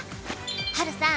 「ハルさん！